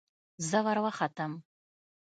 زه وروختم.